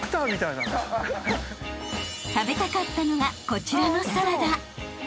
［食べたかったのがこちらの］